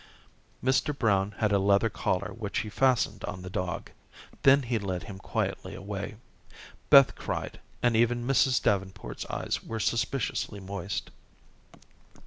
Mr. Brown had a leather collar which he fastened on the dog. Then he led him quietly away. Beth cried, and even Mrs. Davenport's eyes were suspiciously moist.